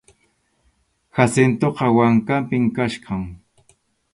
Jacintoqa wankanpim kachkan.